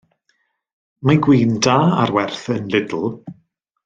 Mae gwin da ar werth yn Lidl.